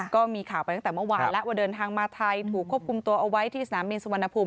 ก็มีข่าวไปตั้งแต่เมื่อวานแล้วว่าเดินทางมาไทยถูกควบคุมตัวเอาไว้ที่สนามบินสุวรรณภูมิ